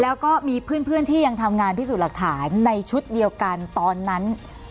แล้วก็มีเพื่อนที่ยังทำงานพิสูจน์หลักฐานในชุดเดียวกันตอนนั้น